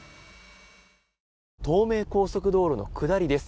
東名高速道路の下りです。